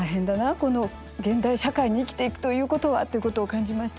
この現代社会に生きていくということはということを感じました。